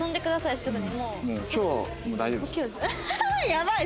やばい！